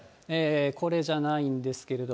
これじゃないんですけれども。